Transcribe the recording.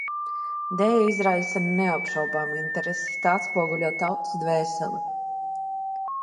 Deja izraisa neapšaubāmu interesi, tā atspoguļo tautas dvēseli.